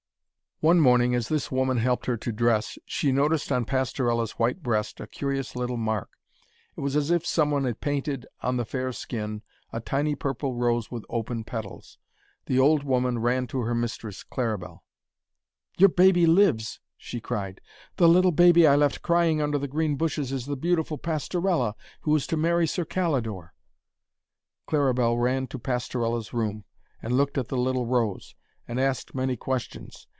One morning as this woman helped her to dress, she noticed on Pastorella's white breast a curious little mark. It was as if some one had painted on the fair skin a tiny purple rose with open petals. The old woman ran to her mistress, Claribel. 'Your baby lives!' she cried; 'the little baby I left crying under the green bushes is the beautiful Pastorella who is to marry Sir Calidore!' Claribel ran to Pastorella's room, and looked at the little rose, and asked many questions.